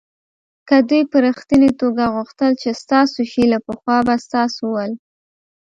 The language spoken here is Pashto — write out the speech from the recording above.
که دوی په ریښتني توگه غوښتل چې ستاسو شي له پخوا به ستاسو ول.